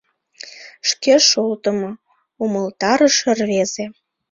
— Шке шолтымо, — умылтарыш рвезе.